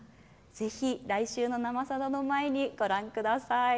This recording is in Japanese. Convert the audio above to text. ぜひ、来週の「生さだ」の前にご覧ください。